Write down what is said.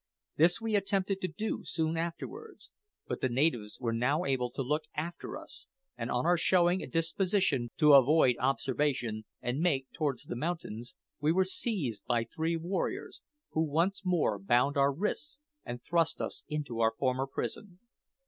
This we attempted to do soon afterwards; but the natives were now able to look after us, and on our showing a disposition to avoid observation and make towards the mountains, we were seized by three warriors, who once more bound our wrists and thrust us into our former prison.